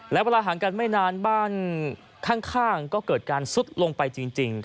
และเวลาห่างกันไม่นานบ้านข้างก็เกิดการซุดลงไปจริง